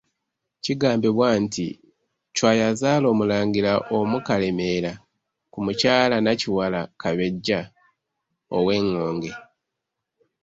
Kigambibwa nti Chwa yazaala omulangira omu Kalemeera ku mukyala Nakiwala Kabejja ow'Engonge.